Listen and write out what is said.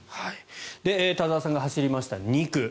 田澤さんが走りました２区。